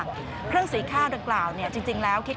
เครื่องสี่ข้าวเหลือกล่าวคลิกเข้ามาในพลายใต้นัวคิด